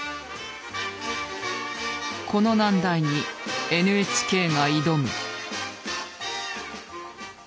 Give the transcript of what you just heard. この難題にＮＨＫが挑む。